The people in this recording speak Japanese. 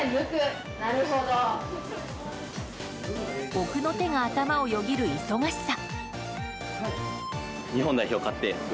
奥の手が頭をよぎる忙しさ。